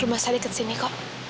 rumah saya ke sini kok